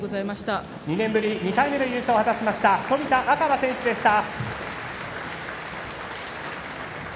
２年ぶり２回目の優勝を果たした冨田若春選手でした。